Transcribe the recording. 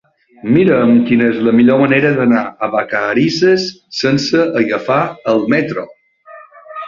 Mira'm quina és la millor manera d'anar a Vacarisses sense agafar el metro.